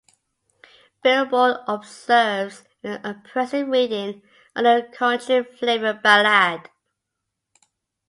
"Billboard" observes an "expressive reading" on the "country-flavored ballad.